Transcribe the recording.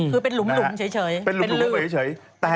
คือเป็นหลุมเฉย